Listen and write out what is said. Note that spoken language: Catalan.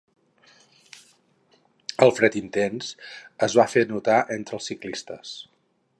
El fred, intens, es va fer notar entre els ciclistes.